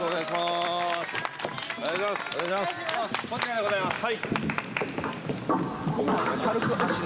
こちらでございます。